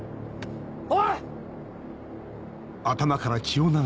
おい！